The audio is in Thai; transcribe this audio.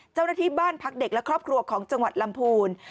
เจ้าหน้าที่บ้านพักเด็กและครอบครัวของจังหวัดลำพูน